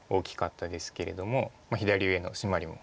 左上のシマリも。